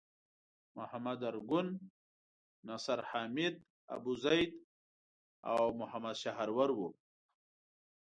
محمد ارګون، نصر حامد ابوزید او محمد شحرور وو.